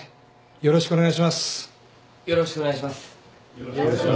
よろしくお願いします。